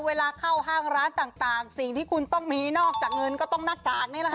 เวลาเข้าห้างร้านต่างสิ่งที่คุณต้องมีนอกจากเงินก็ต้องหน้ากากนี่แหละค่ะ